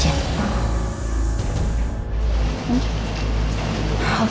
citra kamu bisa menangani semua harta kamu ya kan